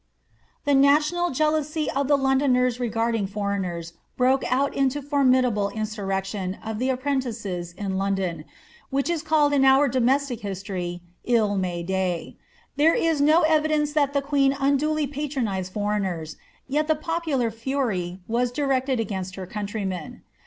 The national jealousy of the Londoners regarding foreigners broke out into that formidable insurrection of the apprentices in London, which is called in our domestic history 111 May day. There is no evi dence that the queen unduly patronised foreigners, yet the popular fuiy was directed against her countrymen.